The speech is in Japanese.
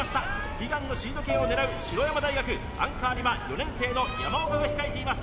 悲願のシード権を狙う白山大学アンカーには４年生の山岡が控えています